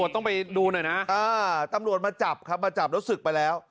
ต้องไปดูหน่อยนะตำรวจมาจับครับมาจับแล้วศึกไปแล้ว